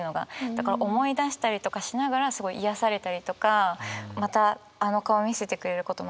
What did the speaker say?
だから思い出したりとかしながらすごい癒やされたりとかまたあの顔を見せてくれること